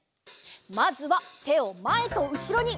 まずはてをまえとうしろに。